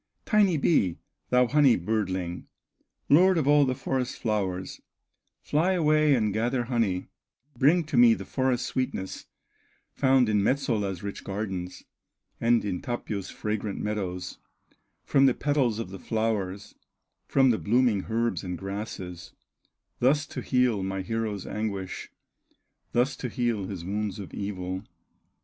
"Tiny bee, thou honey birdling, Lord of all the forest flowers, Fly away and gather honey, Bring to me the forest sweetness, Found in Metsola's rich gardens, And in Tapio's fragrant meadows, From the petals of the flowers, From the blooming herbs and grasses, Thus to heal my hero's anguish, Thus to heal his wounds of evil."